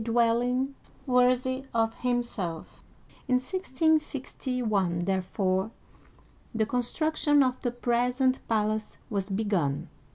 dwelling worthy of himself. In 1661, therefore, the con struction of the present palace was begun.